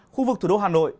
khu vực thủ đô hà nội